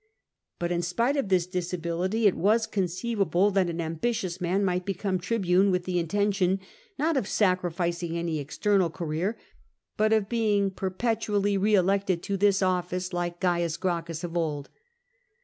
But in spite of this disability, it was conceivable that an ambitions man might become tribune with the intention not of sacrificing any external career, but of being perpetually re elected to this office like Caius Gracchus of old.